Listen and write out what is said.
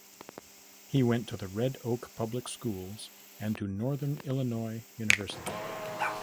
He went to the Red Oak public schools and to Northern Illinois University.